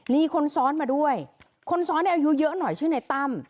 มีคนซ้อนมาด้วยคนซ้อนเนี่ยอายุเยอะหน่อยชื่อในตั้ม